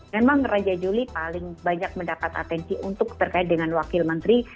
memang raja juli paling banyak mendapat atensi untuk terkait dengan wakil menteri